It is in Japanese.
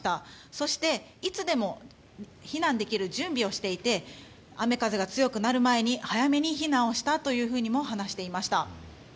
そして、いつでも避難できる準備をしていて雨風が強くなる前に早めに避難をしたとも話していました。